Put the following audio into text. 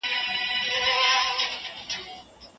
که امنيت وي نو هيلي به ژوندۍ وي.